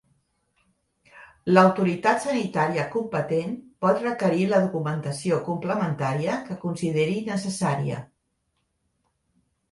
L'autoritat sanitària competent pot requerir la documentació complementària que consideri necessària.